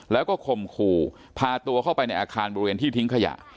แล้วก็ข่มขู่พาตัวเข้าไปในอาคารบริเวณที่ทิ้งขยะ